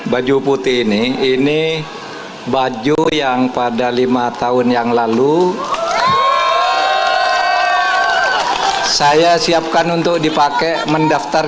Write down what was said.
baju putih ini ini baju yang pada lima tahun yang lalu saya siapkan untuk dipakai mendaftar